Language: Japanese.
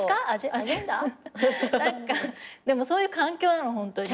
でもそういう環境なのホントに。